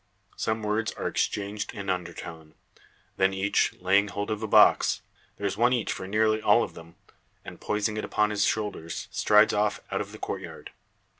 Some words are exchanged in undertone. Then each, laying hold of a box there is one each for nearly all of them and poising it upon his shoulders, strides off out of the courtyard.